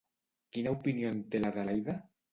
Quina opinió en té l'Adelaida?